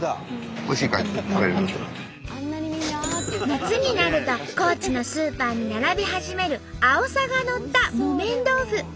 夏になると高知のスーパーに並び始めるあおさがのった木綿豆腐。